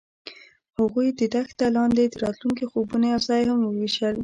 هغوی د دښته لاندې د راتلونکي خوبونه یوځای هم وویشل.